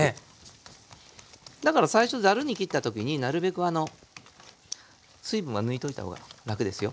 だから最初ザルに切った時になるべく水分は抜いといたほうが楽ですよ。